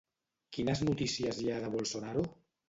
Quines notícies hi ha de Bolsonaro?